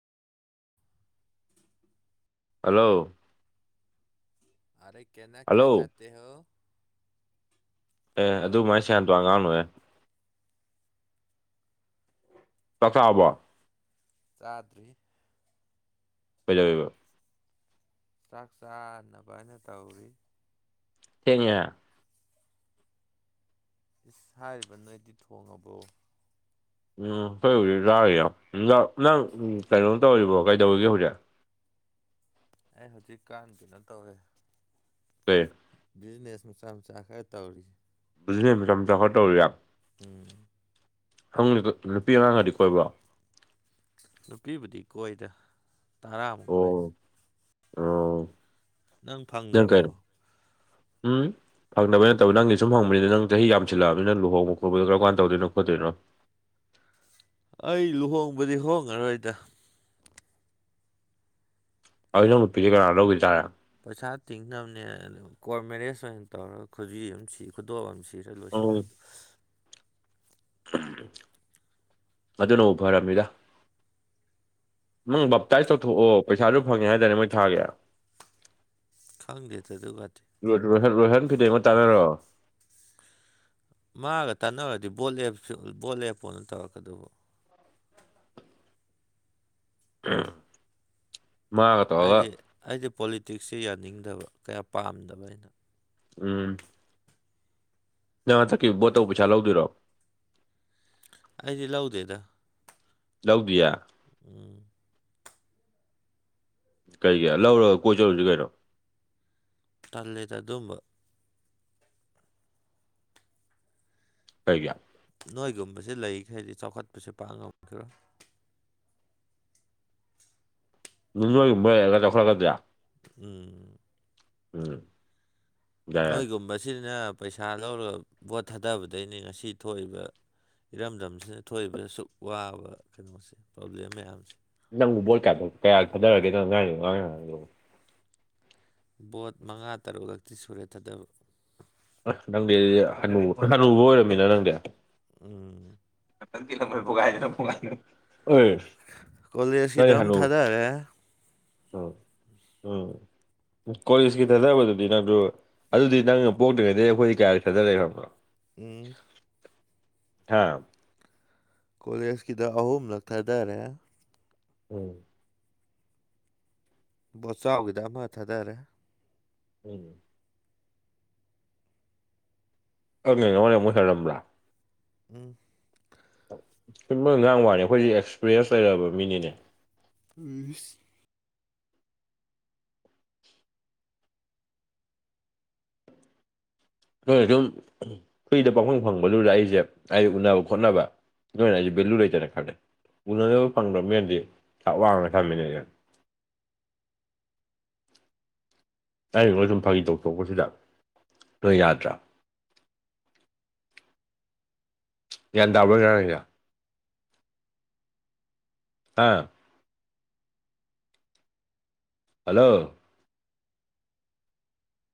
hello ꯑꯔꯦ ꯀꯦꯅꯥ ꯀ꯭ꯌꯥ ꯍꯜꯂꯣ ꯖꯥꯇꯦ ꯍꯣ ꯑꯦ ꯍꯜꯂꯣ ꯑꯗꯨꯃꯥꯏ ꯁꯦꯌꯥꯟ ꯇꯣꯔꯟ ꯉꯥꯡꯅꯨꯍꯦ ꯆꯥꯛ ꯆꯥꯔꯕꯣ ꯆꯥꯗ꯭ꯔꯤ ꯀꯩꯗꯧꯋꯤꯕ ꯆꯥꯛ ꯆꯥꯅꯕꯅ ꯇꯧꯔꯤ ꯊꯦꯡꯉꯦꯍꯦ ꯏꯁ ꯍꯥꯏꯔꯤꯕꯥ ꯅꯣꯢꯗꯤ ꯊꯣꯡꯉꯕꯣ ꯎꯝ ꯑꯈꯣꯏ ꯍꯧꯖꯤꯛ ꯆꯥꯔꯤꯌꯦ ꯅ ꯅꯪ ꯀꯩꯅꯣ ꯇꯧꯔꯤꯕꯣ ꯀꯩꯗꯧꯔꯤꯒꯦ ꯍꯧꯖꯤꯛ ꯑꯩ ꯍꯧꯖꯤꯛ ꯀꯥꯟ ꯀꯩꯅꯣ ꯇꯧꯋꯦ ꯀꯩ ꯕꯤꯖꯤꯅꯦꯁ ꯃꯆꯥ ꯃꯆꯥ ꯈ꯭ꯔ ꯇꯧꯔꯤ ꯕꯤꯖꯤꯅꯦꯁ ꯃꯆꯥ ꯃꯆꯥ ꯈꯔ ꯇꯧꯔꯤꯌꯦ ꯎꯝ [unintelligible] ꯅꯨꯄꯤ ꯑꯉꯥꯡꯒꯗꯤ ꯀꯣꯏꯕ꯭ꯔꯣ ꯅꯨꯄꯤꯕꯨꯗꯤ ꯀꯣꯏꯗ ꯇꯔꯥꯃꯨꯛ ꯀꯣꯏ ꯑꯣ ꯑꯣ ꯅꯪ ꯐꯪꯗ꯭ꯔꯕꯣ ꯎꯝ ꯐꯪꯗꯕꯩ ꯅꯠꯇꯕ ꯅꯪꯒꯤ ꯁꯨꯝ ꯍꯪꯕꯅꯤꯗ ꯅꯪ ꯆꯍꯤ ꯌꯥꯝꯁꯤꯜꯂꯑꯕꯅꯤꯅ ꯂꯨꯍꯣꯡꯕ ꯈꯣꯠꯄꯗꯣ ꯀꯔꯝ ꯀꯥꯟ ꯇꯧꯗꯣꯏꯅꯣ ꯈꯣꯠꯇꯣꯏꯅꯣ ꯑꯩ ꯂꯨꯍꯣꯡꯕꯗꯤ ꯍꯣꯡꯉꯔꯣꯏꯗ ꯑꯗꯨꯗꯤ ꯅꯪ ꯅꯨꯄꯤꯗꯤ ꯀꯅꯥ ꯂꯧꯒꯤ ꯇꯥꯔꯦ ꯄꯩꯁꯥ ꯇꯤꯡꯅꯝꯅꯦ ꯀꯣꯔꯠ ꯃꯦꯔꯦꯖ ꯑꯣꯏꯅ ꯇꯧꯔꯒ ꯈꯨꯖꯤ ꯑꯝ ꯁꯤ ꯈꯨꯗꯣꯞ ꯑꯝ ꯁꯤ ꯇ ꯂꯣꯏꯁꯜ ꯎꯝ ꯂꯅꯤ ꯑꯗꯨꯅꯕꯨ ꯐꯔꯝꯃꯤꯗ ꯅꯪ ꯕꯞꯇꯥꯏꯁ ꯇꯧꯊꯣꯛꯑꯣ ꯄꯩꯁꯥꯖꯨ ꯐꯪꯉꯦ ꯍꯥꯏꯗꯥꯢꯅꯦ ꯃꯣꯏ ꯊꯥꯒꯤ ꯈꯪꯗꯦꯗ ꯑꯗꯨꯒꯗꯤ ꯔꯣ ꯔꯣ ꯍꯦꯟ ꯔꯣꯍꯦꯟ ꯐꯤꯗꯦꯝꯒ ꯇꯥꯟꯅꯔꯣ ꯃꯥꯒ ꯇꯥꯟꯅꯔꯨꯗꯤ ꯕꯣꯠ ꯂꯦꯞꯁꯨ ꯕꯣꯠ ꯂꯦꯞꯄꯣꯅ ꯇꯧꯔꯛꯀꯗꯧꯕ ꯍꯨꯝ ꯍꯥꯏꯗꯤ ꯑꯩꯗꯤ ꯄꯣꯂꯤꯇꯤꯛꯁꯁꯦ ꯌꯥꯅꯤꯡꯗꯕ ꯀꯌꯥ ꯄꯥꯝꯗꯕ ꯑꯩꯅ ꯎꯝ ꯅꯪ ꯍꯟꯇꯛꯈꯤ ꯕꯣꯠꯇꯧꯕ ꯄꯩꯁꯥ ꯂꯧꯗꯣꯏꯔꯣ ꯑꯩꯗꯤ ꯂꯧꯗꯦꯗ ꯂꯧꯗꯤꯌꯦ ꯎꯝ ꯀꯩꯒꯤ ꯂꯧꯔꯒ ꯀꯣꯏ ꯆꯠꯂꯨꯖꯤ ꯀꯩꯅꯣ ꯇꯜꯂꯦꯗ ꯑꯗꯨꯝꯕ ꯀꯩꯒꯤ ꯅꯣꯢꯒꯨꯝꯕꯁꯦ ꯂꯩꯔꯤꯈꯩꯗꯤ ꯆꯥꯎꯈꯠꯄꯁꯨ ꯄꯥꯛ ꯉꯝꯈꯤꯔꯣꯢ ꯅꯣꯢꯒꯨꯝꯕ ꯂꯩꯔꯒ ꯆꯥꯎꯈꯠꯂꯛꯀꯗꯣꯢꯔꯥ ꯎꯝ ꯎꯝ ꯌꯥꯏ ꯅꯣꯢꯒꯨꯝꯕꯁꯤꯅ ꯄꯩꯁꯥ ꯂꯧꯔꯒ ꯚꯣꯠ ꯊꯥꯗꯕꯗꯩꯅꯤ ꯉꯁꯤ ꯊꯣꯛꯏꯕ ꯏꯔꯝꯗꯝꯁꯤꯅ ꯊꯣꯛꯏꯕ ꯁꯨꯛ ꯋꯥꯕ ꯀꯩꯅꯣꯁꯦ ꯄ꯭ꯔꯣꯕ꯭ꯂꯦꯝ ꯃꯌꯥꯝꯁꯦ ꯅꯪꯕꯨ ꯕꯣꯠ ꯀ꯭ꯌꯥ ꯀ꯭ꯌꯥꯔꯛ ꯊꯥꯗꯔꯒꯦ ꯅꯪꯅ ꯉꯥꯡ ꯉꯤꯕ ꯋꯥ [unintelligible] ꯕꯣꯠ ꯃꯉꯥ ꯇꯔꯨꯛꯂꯛꯇꯤ ꯁꯨꯔꯦ ꯊꯥꯗꯕ ꯑꯁ ꯅꯪꯗꯤ ꯍꯅꯨ ꯍꯅꯨꯕ ꯑꯣꯢꯔꯝꯃꯦꯅ ꯅꯪꯗꯤ ꯎꯝ [unintelligible] ꯅꯪꯗꯤ ꯀꯣꯂꯦꯖꯀꯤꯗꯝ ꯍꯅꯨ ꯊꯥꯗꯔꯦ ꯎꯝ ꯎꯝ ꯀꯣꯂꯦꯖꯀꯤ ꯊꯥꯗꯕꯗꯨꯗꯤ ꯅꯪꯗꯨ ꯑꯗꯨꯗꯤ ꯅꯪꯅ ꯄꯣꯛꯇ꯭ꯔꯤꯉꯩꯗꯒꯤ ꯑꯩꯈꯣꯢꯗꯤ ꯀꯌꯥꯔꯛ ꯊꯥꯗꯔꯛꯑꯦ ꯈꯪꯕ꯭ꯔ ꯎꯝ ꯍꯥꯥ ꯀꯣꯂꯦꯖꯀꯤꯗ ꯑꯍꯨꯝꯂꯛ ꯊꯥꯗꯔꯦ ꯎꯝ ꯕꯣꯠꯆꯥꯎꯒꯤꯗ ꯑꯃ ꯊꯥꯗꯔꯦ ꯎꯝ [unintelligible] ꯎꯝ [unintelligible] ꯉꯥꯡꯕ ꯋꯥꯅꯤ ꯑꯩꯈꯣꯏꯖꯦ ꯑꯦꯛꯁꯄꯤꯔꯤꯌꯦꯟꯁ ꯂꯩꯔꯕ ꯃꯤꯅꯤꯅꯦ ꯑꯁ ꯅꯣꯢ ꯑꯗꯨꯝ ꯐ꯭ꯔꯤꯗ ꯄꯪꯐꯪ ꯐꯪꯕꯗꯨꯖ ꯑꯩꯖꯦ ꯍꯥꯢꯗꯤꯠꯎꯅꯕ ꯈꯣꯠꯅꯕ ꯂꯣꯢꯅ ꯑꯩꯁꯦ ꯚꯦꯂꯨ ꯂꯩꯇꯅꯦ ꯈꯜꯂꯦ ꯎꯅꯅꯕ ꯐꯪꯗ꯭ꯔꯕꯃꯤꯅꯗꯤ ꯊꯥꯛ ꯋꯥꯡꯅ ꯊꯝꯃꯤꯅꯦ ꯑꯩꯖꯦ [unintelligible] ꯐꯥꯒꯤ ꯇꯧꯊꯣꯛꯄꯁꯤꯗ ꯅꯣꯢ ꯌꯥꯗ꯭ꯔꯥ ꯒ꯭ꯌꯥꯟ ꯇꯥꯕ꯭ꯔꯣ ꯑꯩꯅ ꯉꯥꯡꯉꯤꯌꯦ ꯍꯥꯥ ꯍꯜꯂꯣ